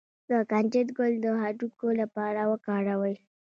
د کنجد ګل د هډوکو لپاره وکاروئ